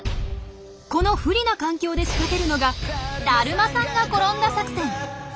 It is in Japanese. この不利な環境で仕掛けるのが「だるまさんが転んだ作戦」。